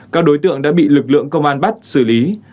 các đối tượng đã bị lực lượng công an bắt xử lý